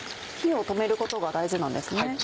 火を止めることが大事なんですね。